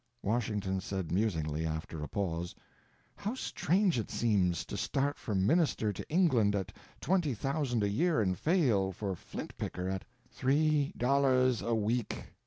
Washington said musingly after a pause: "How strange it seems—to start for Minister to England at twenty thousand a year and fail for flintpicker at—" "Three dollars a week.